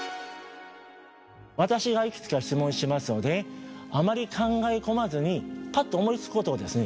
私がいくつか質問しますのであまり考え込まずにパッと思いつくことをですね